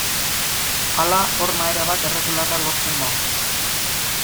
Hala, horma erabat erregularra lortzen da.